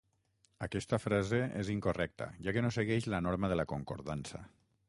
Aquesta frase és incorrecta, ja que no segueix la norma de la concordança.